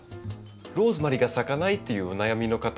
ローズマリーが咲かないというお悩みの方